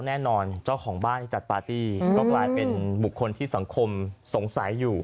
แน่นอนเจ้าของบ้านที่จัดปาร์ตี้ก็กลายเป็นบุคคลที่สังคมสงสัยอยู่